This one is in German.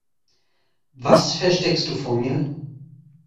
Was versteckst du vor mir?